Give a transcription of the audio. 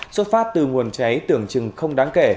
xuất phát từ nguồn cháy tưởng chừng không đáng kể